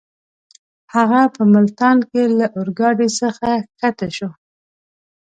هغه په ملتان کې له اورګاډۍ څخه کښته شو.